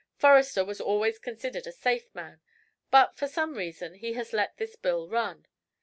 Forrester was always considered a safe man, but for some reason he has let this bill run.